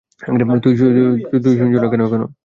তুই শোনছ না কেন কখনও!